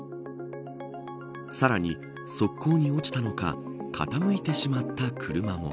さらに、側溝に落ちたのか傾いてしまった車も。